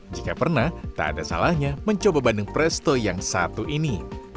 jika pernah tak ada salahnya mencoba bandeng presto yang satu ini